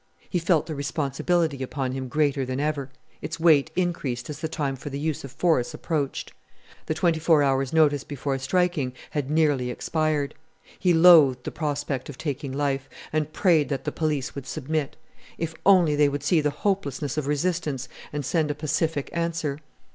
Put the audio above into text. He felt the responsibility upon him greater than ever; its weight increased as the time for the use of force approached. The twenty four hours' notice before striking had nearly expired. He loathed the prospect of taking life, and prayed that the police would submit! If only they would see the hopelessness of resistance and send a pacific answer!